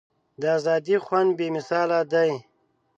د ازادۍ خوند بې مثاله دی.